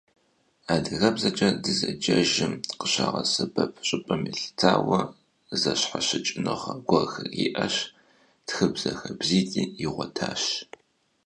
Адыгэбзэкӏэ дызэджэжым къыщагъэсэбэп щӏыпӏэ елъытауэ, зыщхьэщыкӏыныгъэ гуэрхэри иӏэщ, тхыбзэ хабзитӏи игъуэтащ.